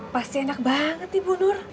pasti enak banget ibu nur